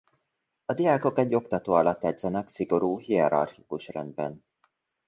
A diákok egy oktató alatt edzenek szigorú hierarchikus rendben.